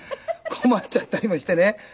困っちゃったりもしてね。